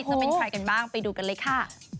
จะเป็นใครกันบ้างไปดูกันเลยค่ะ